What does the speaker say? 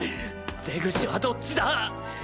出口はどっちだ！？